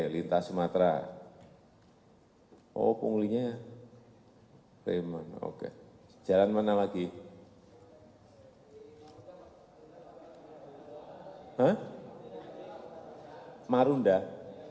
mana dari aceh sampai medan pak